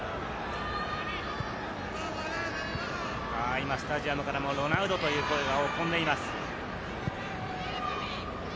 今スタジアムからも「ロナウド！」という声が飛んでいます。